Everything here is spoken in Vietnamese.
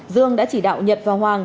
dương đã chỉ đạo nhật và hoàng